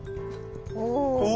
お！